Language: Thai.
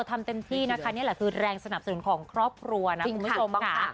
ทำเต็มที่นะคะนี่แหละคือแรงสนับสนุนของครอบครัวนะคุณผู้ชมค่ะ